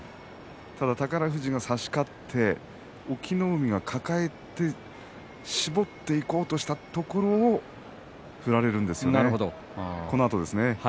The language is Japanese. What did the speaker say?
ただ、宝富士が差し勝って隠岐の海が抱えて絞っていこうとしたところを振られるんですね。